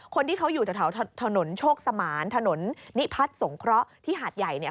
คนที่เขาอยู่แถวถนนโชคสมานถนนนิพัฒน์สงเคราะห์ที่หาดใหญ่เนี่ย